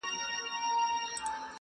له ما جوړي بنګلې ښکلي ښارونه،